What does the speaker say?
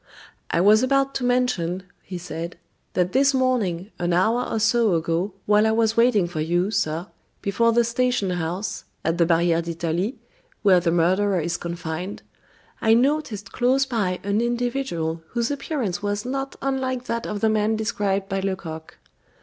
"I was about to mention," he said, "that this morning, an hour or so ago, while I was waiting for you, sir, before the station house, at the Barriere d'Italie, where the murderer is confined, I noticed close by an individual whose appearance was not unlike that of the man described by Lecoq.